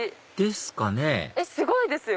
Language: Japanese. すごいですよ